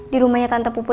di rumahnya tante puput